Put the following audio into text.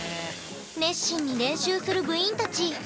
熱心に練習する部員たち。